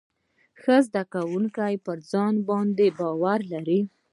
ښه زده کوونکي پر ځان باندې باور لري.